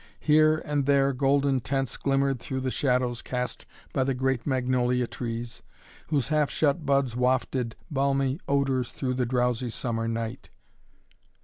Here and there golden tents glimmered through the shadows cast by the great magnolia trees, whose half shut buds wafted balmy odors through the drowsy summer night.